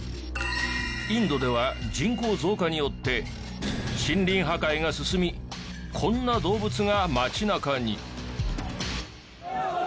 インドでは人口増加によって森林破壊が進みこんな動物が町中に。